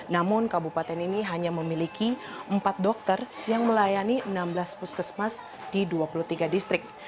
namun kabupaten ini hanya memiliki empat dokter yang melayani enam belas puskesmas di dua puluh tiga distrik